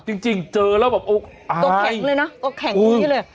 เออจริงเจอแล้วแบบโอ๊ยตกแข็งเลยนะตกแข็งดีเลย